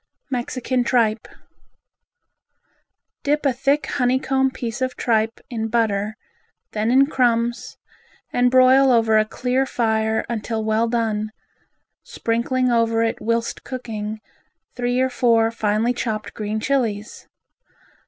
Mexican Tripe Dip a thick honey comb piece of tripe in butter, then in crumbs, and broil over a clear fire until well done, sprinkling over it whilst cooking three or four finely chopped green Chilis.